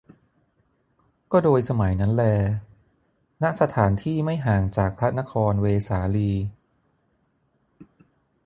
ก็โดยสมัยนั้นแล ณ สถานที่ไม่ห่างจากพระนครเวสาลี